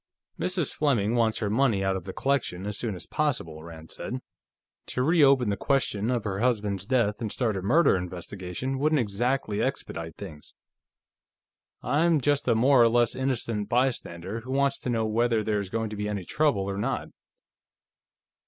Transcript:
"Mrs. Fleming wants her money out of the collection, as soon as possible," Rand said. "To reopen the question of her husband's death and start a murder investigation wouldn't exactly expedite things. I'm just a more or less innocent bystander, who wants to know whether there is going to be any trouble or not....